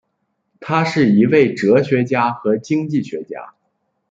他是一位哲学家和经济学家。